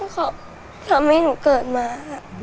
เพราะเค้าทำให้หนูเกิดมา